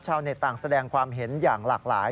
ต่างแสดงความเห็นอย่างหลากหลาย